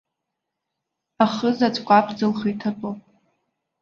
Ахызаҵә кәаԥӡа лхы иҭатәоуп!